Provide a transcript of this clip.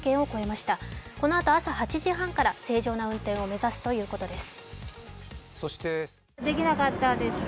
このあと朝８時半から正常な運転を目指すということです。